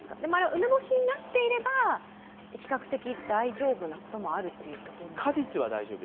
梅干しになっていれば比較的、大丈夫なこともあるっていうことなんですか？